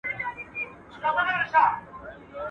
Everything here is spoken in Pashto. انسان د خطا خالي نه دئ.